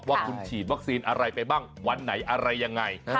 ว่าคุณฉีดวัคซีนอะไรไปบ้างวันไหนอะไรยังไง